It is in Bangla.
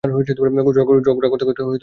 ঝগড়া করতে কখনো ভয় পেত না।